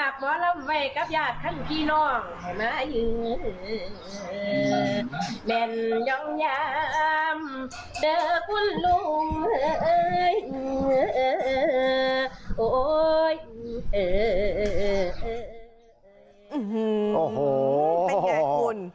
เป็นยังไงคุณ